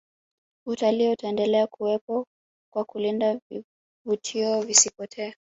utalii utaendelea kuwepo kwa kulinda vivutio visipotee